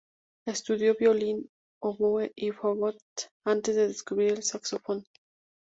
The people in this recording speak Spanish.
Estudió violín, oboe y fagot, antes de descubrir el saxofón.